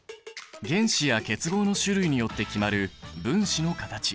原子や結合の種類によって決まる分子の形。